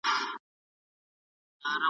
زه کولای سم مېوې وچوم؟